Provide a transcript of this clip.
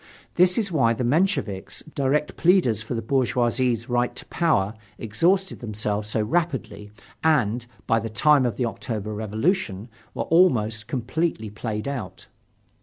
This is why the Mensheviks, direct pleaders for the bourgeoisie's right to power, exhausted themselves so rapidly and, by the time of the October Revolution, were almost completely played out.